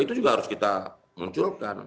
itu juga harus kita munculkan